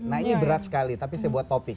nah ini berat sekali tapi saya buat topik